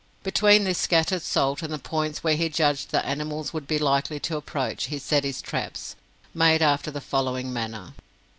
Between this scattered salt and the points where he judged the animals would be likely to approach, he set his traps, made after the following manner.